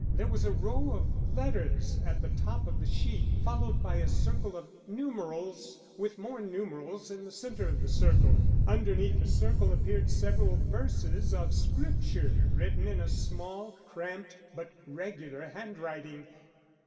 There was a row of letters at the top of the sheet, followed by a circle of numerals, with more numerals in the centre of the circle. Underneath the circle appeared several verses of Scripture written in a small, cramped, but regular handwriting.